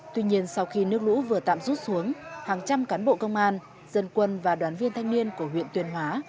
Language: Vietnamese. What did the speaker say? tuy nhiên sau khi nước lũ vừa tạm rút xuống hàng trăm cán bộ công an dân quân và đoàn viên thanh niên của huyện tuyên hóa